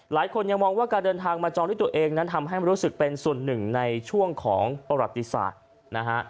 หลายคนยังมองว่าการเดินทางมาจองด้วยตัวเองนั้นทำให้รู้สึกเป็นส่วนหนึ่งในช่วงของประวัติศาสตร์นะฮะ